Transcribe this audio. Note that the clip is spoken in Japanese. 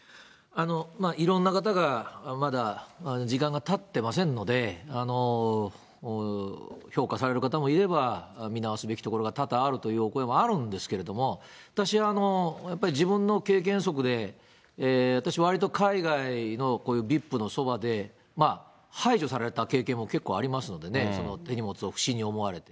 いろんな方がまだ時間がたってませんので、評価される方もいれば、見直すべきところが多々あるというお声もあるんですけれども、私、やっぱり自分の経験則で、私、わりと海外のこういうＶＩＰのそばで、排除された経験も結構ありますのでね、手荷物を不審に思われて。